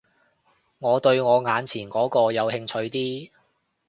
我對我眼前嗰個有興趣啲